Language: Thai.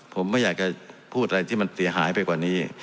ผมไม่อยากจะพูดอะไรที่มันเสียหายไปกว่านี้